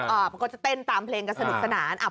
มันก็จะเต้นตามเพลงกันสนุกสนาน